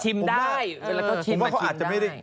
ชิมได้แล้วก็ชิมมาชิมได้ผมว่าเขาอาจจะไม่ได้